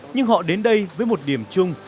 nhưng họ đến đây với một điểm chung